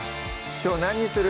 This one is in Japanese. きょう何にする？